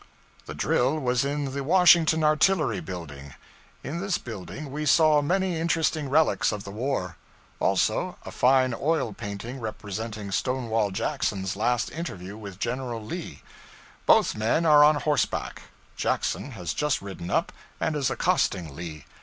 The drill was in the Washington Artillery building. In this building we saw many interesting relics of the war. Also a fine oil painting representing Stonewall Jackson's last interview with General Lee. Both men are on horseback. Jackson has just ridden up, and is accosting Lee.